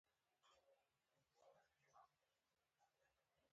کله به خپله روان ووم.